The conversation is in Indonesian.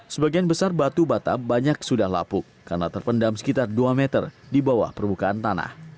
sebagian besar batu batam banyak sudah lapuk karena terpendam sekitar dua meter di bawah permukaan tanah